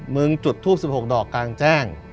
จุดทูป๑๖ดอกกลางแจ้ง